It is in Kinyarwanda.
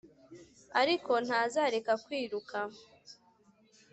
ariko ntazareka kwiruka.